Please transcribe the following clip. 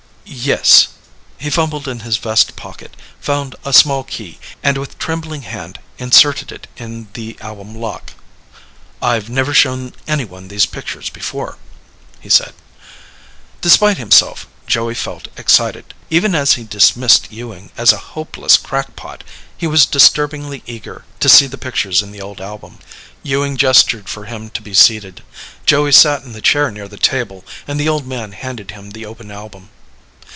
"Yes." He fumbled in his vest pocket, found a small key, and with trembling hand inserted it in the album lock. "I've never shown anyone these pictures before," he said. Despite himself, Joey felt excited. Even as he dismissed Ewing as a hopeless crackpot, he was disturbingly eager to see the pictures in the old album. Ewing gestured for him to be seated. Joey sat in the chair near the table and the old man handed him the open album.